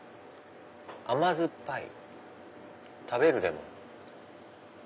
「甘酸っぱい食べるレモン」。